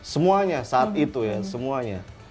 semuanya saat itu ya semuanya